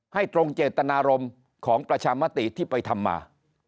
ให้ตรงเจตนารมณ์ของประชามติที่ไปทำมา